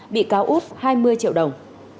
bị cáo út hai mươi triệu đồng